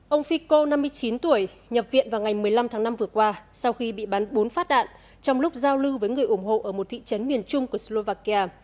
ông fico năm mươi chín tuổi nhập viện vào ngày một mươi năm tháng năm vừa qua sau khi bị bắn bốn phát đạn trong lúc giao lưu với người ủng hộ ở một thị trấn miền trung của slovakia